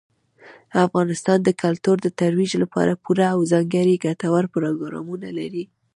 افغانستان د کلتور د ترویج لپاره پوره او ځانګړي ګټور پروګرامونه لري.